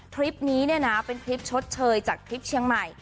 คลิปนี้เนี่ยนะเป็นคลิปชดเชยจากทริปเชียงใหม่